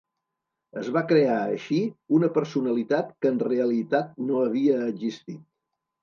Es va crear, així, una personalitat que en realitat no havia existit.